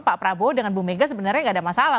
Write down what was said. pak prabowo dengan bu mega sebenarnya nggak ada masalah